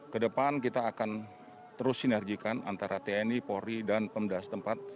kedepan kita akan terus sinergikan antara tni polri dan pemda setempat